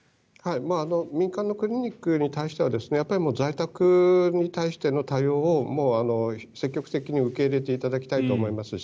民間のクリニックに対しては在宅に対しての対応を、積極的に受け入れていただきたいと思いますし